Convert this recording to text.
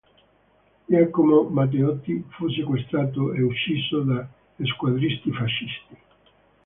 Giacomo Matteotti fu sequestrato e ucciso da squadristi fascisti